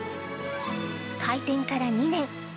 開店から２年。